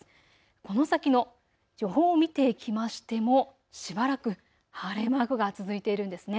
この先の予報を見ていきましてもしばらく晴れマークが続いているんですね。